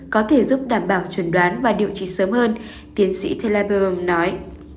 có thể giúp đảm bảo chuẩn đoán và điều trị sớm hơn tiến sĩ teleberrm nói